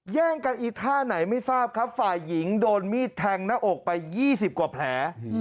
แย่งกันอีท่าไหนไม่ทราบครับฝ่ายหญิงโดนมีดแทงหน้าอกไป๒๐กว่าแผล